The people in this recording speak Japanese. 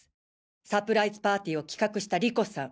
サプライズパーティーを企画した莉子さん